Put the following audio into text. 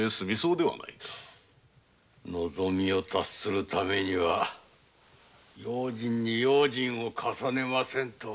望みを達するためには用心に用心を重ねませんと。